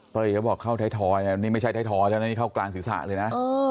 เต้ยก็บอกเข้าไทยทอเนี่ยนี่ไม่ใช่ไทยทอแล้วนี่เข้ากลางศีรษะเลยนะ